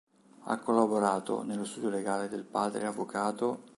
Ha collaborato nello Studio legale del padre Avv.